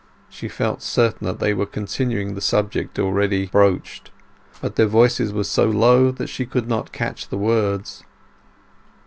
She felt certain that they were continuing the subject already broached, but their voices were so low that she could not catch the words.